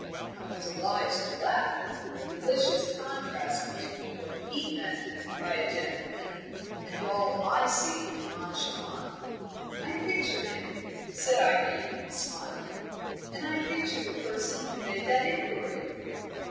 I was obliged to laugh delicious contrast between what he meant by a gentleman and all I see in Moncharmont." "I picture him," said Irene, smiling, "and I picture the person who made that inquiry."